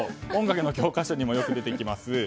音楽の教科書にもよく出てきます